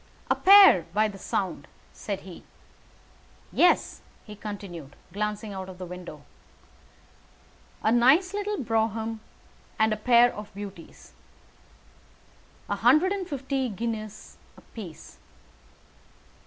"A pair, by the sound," said he. "Yes," he continued, glancing out of the window. "A nice little brougham and a pair of beauties. A hundred and fifty guineas apiece.